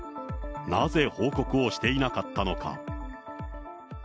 なぜ報告をしていなかったのか。